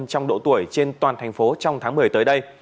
trong độ tuổi trên toàn thành phố trong tháng một mươi tới đây